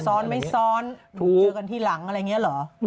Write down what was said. ซ้อนไม่ซ้อนถูกเจอกันทีหลังอะไรอย่างนี้เหรอ